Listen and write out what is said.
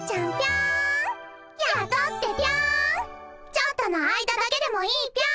ちょっとの間だけでもいいぴょん。